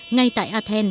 ngay tại athens